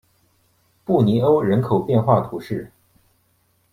布尼欧人口变化图示